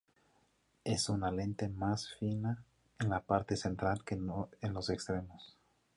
Es una lente más fina en la parte central que en los extremos.